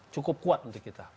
cukup kuat untuk kita